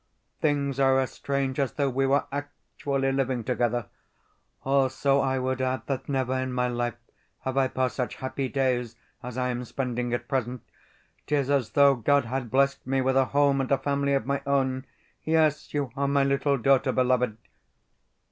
Things are as strange as though we were actually living together. Also I would add that never in my life have I passed such happy days as I am spending at present. 'Tis as though God had blessed me with a home and a family of my own! Yes, you are my little daughter, beloved.